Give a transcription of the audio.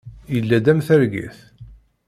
Yella-d am targit.